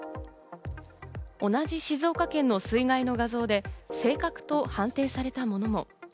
同じ静岡県の水害の画像で正確と判定されたものも。